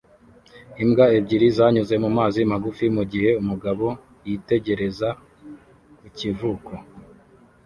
Imbwa ebyiri zanyuze mu mazi magufi mu gihe umugabo yitegereza ku kivuko